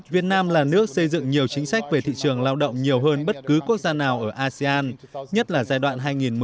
việt nam là nước xây dựng nhiều chính sách về thị trường lao động nhiều hơn bất cứ quốc gia nào ở asean nhất là giai đoạn hai nghìn một mươi năm hai nghìn một mươi năm